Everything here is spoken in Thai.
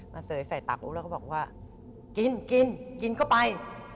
มาเสยใส่ตักอูแล้วก็บอกว่ากินกินกินก็ไป